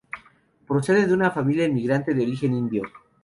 Procede de una familia inmigrante de origen indio.